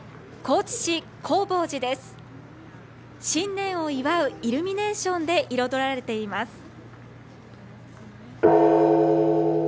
新年を祝うイルミネーションで彩られています。